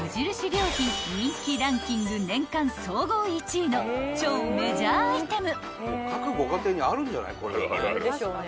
良品人気ランキング年間総合１位の超メジャーアイテム］